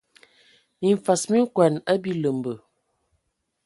Mimfas mi okɔn a biləmbə.